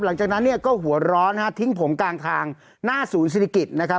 หลังจากนั้นเนี่ยก็หัวร้อนฮะทิ้งผมกลางทางหน้าศูนย์ศิริกิจนะครับ